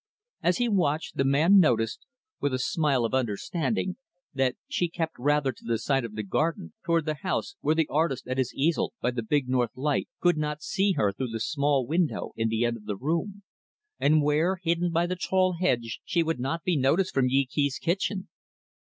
As he watched, the man noticed with a smile of understanding that she kept rather to the side of the garden toward the house; where the artist, at his easel by the big, north light, could not see her through the small window in the end of the room; and where, hidden by the tall hedge, she would not be noticed from Yee Kee's kitchen.